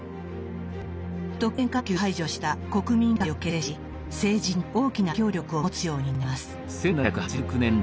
特権階級を排除した国民議会を結成し政治に大きな影響力を持つようになります。